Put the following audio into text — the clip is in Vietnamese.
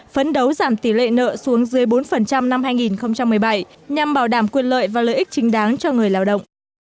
phấn đấu giảm tỷ lệ nợ xuống dưới bốn năm hai nghìn một mươi bảy nhằm bảo đảm quyền lợi và lợi ích chính đáng cho người lao động